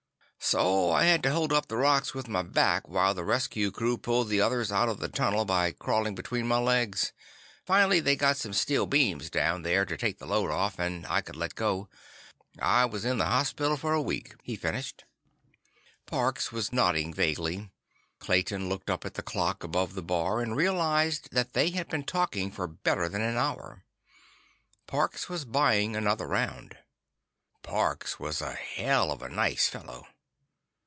"—so I had to hold up the rocks with my back while the rescue crew pulled the others out of the tunnel by crawling between my legs. Finally, they got some steel beams down there to take the load off, and I could let go. I was in the hospital for a week," he finished. Parks was nodding vaguely. Clayton looked up at the clock above the bar and realized that they had been talking for better than an hour. Parks was buying another round. Parks was a hell of a nice fellow.